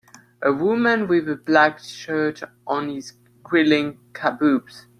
A woman with a black shirt on is grilling kabobs.